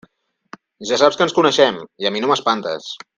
Ja saps que ens coneixem, i a mi no m'espantes.